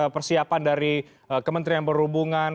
persiapan dari kementerian berhubungan